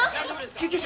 救急車！